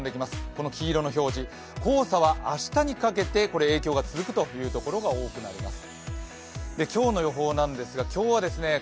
この黄色いの表示、黄砂は明日にかけて影響が続く所が多くなります。